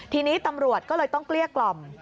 ทีนี้ตำรวจก็เลยต้องเกลี้ยกล่อม